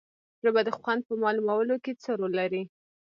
ژبه د خوند په معلومولو کې څه رول لري